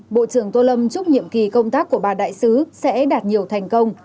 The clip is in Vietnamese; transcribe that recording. bộ trưởng tô lâm chúc nhiệm kỳ công tác của bà đại sứ sẽ đạt nhiều thành công